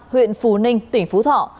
huyện phù ninh tỉnh phú thọ